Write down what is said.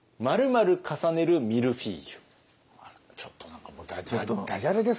あらちょっと何かもうダジャレですか？